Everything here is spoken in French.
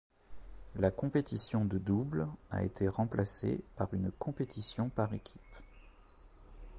La compétition de double a été remplacée par une compétition par équipe.